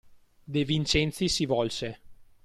De Vincenzi si volse.